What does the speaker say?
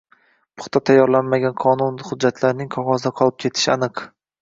Puxta tayyorlanmagan qonun hujjatlarining qog‘ozda qolib ketishi aniqng